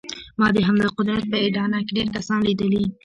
ما د همدغه قدرت په اډانه کې ډېر کسان ليدلي.